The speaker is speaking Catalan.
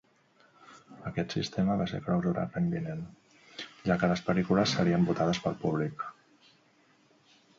Aquest sistema va ser clausurat l'any vinent, ja que les pel·lícules serien votades pel públic.